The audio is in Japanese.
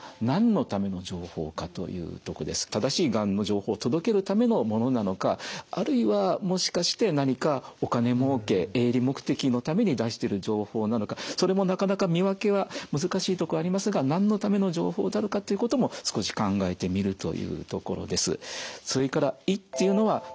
正しいがんの情報を届けるためのものなのかあるいはもしかして何かお金もうけ営利目的のために出してる情報なのかそれもなかなか見分けは難しいとこありますがなんのための情報であるかということも少し考えてみるというところです。